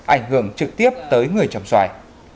ảnh hưởng trực tiếp tới người trồng xoài